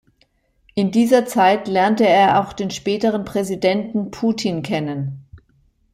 In dieser Zeit lernte er auch den späteren Präsidenten Putin kennen.